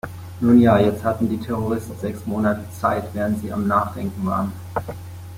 Nun ja, jetzt hatten die Terroristen sechs Monate Zeit, während Sie am Nachdenken waren.